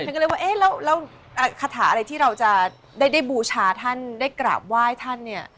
อย่างนั้นเลยว่าคาถาอะไรที่เราจะได้บูชาท่านได้กราบไหว้ท่านเนี่ย